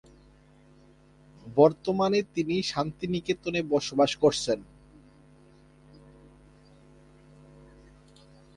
বর্তমানে তিনি শান্তিনিকেতনে বসবাস করছেন।